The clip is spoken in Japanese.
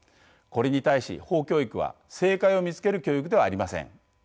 これに対し法教育は正解を見つける教育ではありません。